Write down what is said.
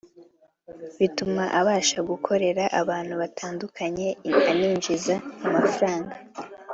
bituma abasha gukorera abantu batandukanye aninjiza amafaranga